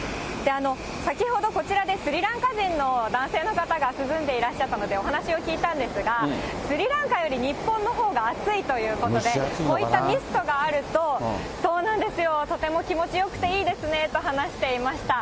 先ほど、こちらでスリランカ人の男性の方が涼んでいらっしゃったので、お話を聞いたんですが、スリランカより日本のほうが暑いということで、こういったミストがあるととても気持ちよくていいですねと話していました。